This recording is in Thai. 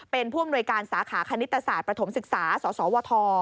เป็นผู้อำนวยการสาขาคณิตศาสตร์ประถมศึกษาสสวท